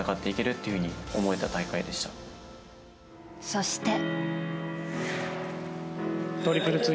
そして。